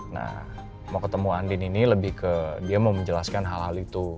nah mau ketemu andin ini lebih ke dia mau menjelaskan hal hal itu